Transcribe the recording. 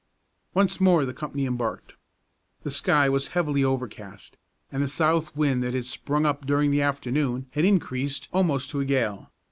Once more the company embarked. The sky was heavily overcast, and the south wind that had sprung up during the afternoon had increased almost to a gale.